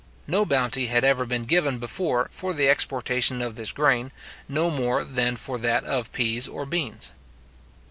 No bounty had ever been given before for the exportation of this grain, no more than for that of pease or beans.